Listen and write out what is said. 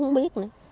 không có biết nữa